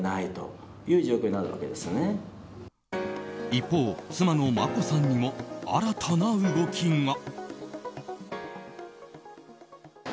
一方、妻の眞子さんにも新たな動きが。